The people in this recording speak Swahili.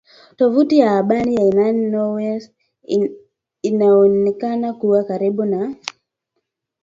Tovuti ya habari ya Iran Nournews inayoonekana kuwa karibu na